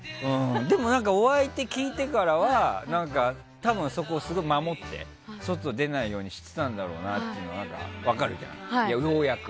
でも、お相手を聞いてからは多分、そこをすごく守って外に出ないようにしてたんだろうなと分かるじゃん、ようやく。